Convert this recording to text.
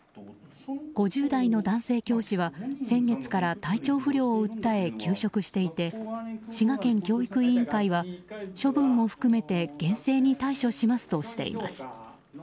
５０代の男性教師は先月から体調不良を訴え休職していて滋賀県教育委員会は処分も含めて厳正に対処するとしています。